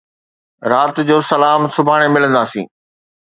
رات جو سلام. سڀاڻي ملندا سين